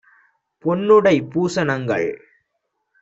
பொன்னுடை பூஷ ணங்கள்